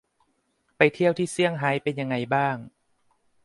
ไปเที่ยวที่ เซียงไฮ้ เป็นยังไงบ้าง ?